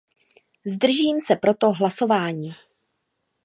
Zdržím se proto hlasování.